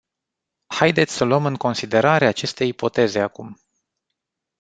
Haideți să luăm în considerare aceste ipoteze acum.